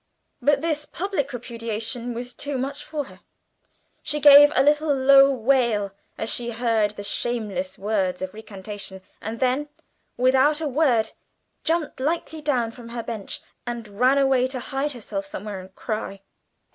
But this public repudiation was too much for her. She gave a little low wail as she heard the shameless words of recantation, and then, without a word, jumped lightly down from her bench and ran away to hide herself somewhere and cry.